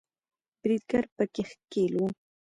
بریدګر په کې ښکیل وو